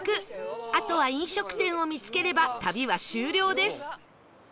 あとは飲食店を見つければ旅は終了です